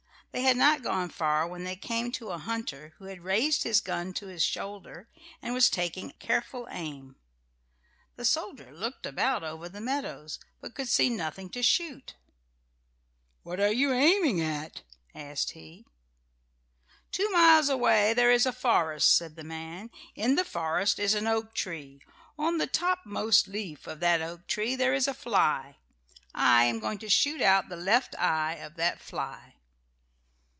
They had not gone far when they came to a hunter who had raised his gun to his shoulder and was taking careful aim. The soldier looked about over the meadows, but could see nothing to shoot. "What are you aiming at?" asked he. "Two miles away there is a forest," said the man. "In the forest is an oak tree. On the top most leaf of that oak tree there is a fly. I am going to shoot out the left eye of that fly."